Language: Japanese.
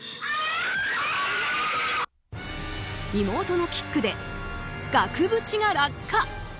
妹のキックで額縁が落下。